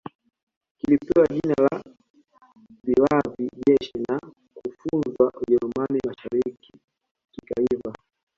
Kilipewa jina la Viwavi Jeshi na kufunzwa Ujerumani Mashariki kikaiva